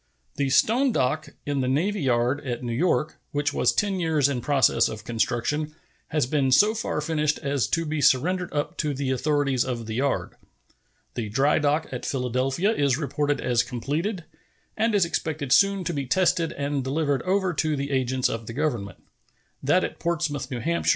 The stone dock in the navy yard at New York, which was ten years in process of construction, has been so far finished as to be surrendered up to the authorities of the yard. The dry dock at Philadelphia is reported as completed, and is expected soon to be tested and delivered over to the agents of the Government. That at Portsmouth, N. H.